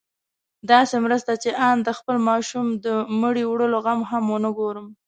داسې مرسته چې آن د خپل ماشوم د مړي وړلو غم هم ونه ګورم.